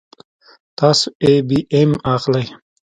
تاسو آی بي ایم اخلئ